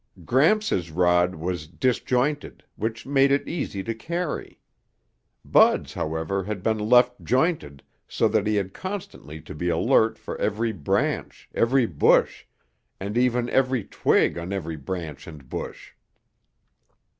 Gramps' rod was disjointed, which made it easy to carry. Bud's, however, had been left jointed so that he had constantly to be alert for every branch, every bush, and even every twig on every branch and bush.